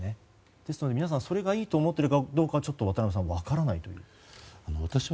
ですので、皆さんそれがいいと思っているかどうか分からないということですが。